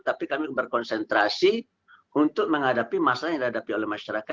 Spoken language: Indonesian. tapi kami berkonsentrasi untuk menghadapi masalah yang dihadapi oleh masyarakat